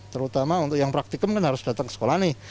terutama untuk yang praktikum kan harus datang ke sekolah nih